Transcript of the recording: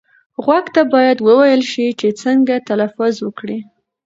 غوږ ته باید وویل شي چې څنګه تلفظ وکړي.